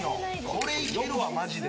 これいけるわマジで。